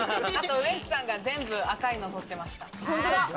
ウエンツさんが全部赤いの取ってました。